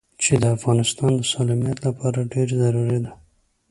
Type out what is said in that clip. چې د افغانستان د سالميت لپاره ډېره ضروري ده.